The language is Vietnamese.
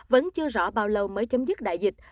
vẫn chưa rõ bao lâu mới chấm dứt đại dịch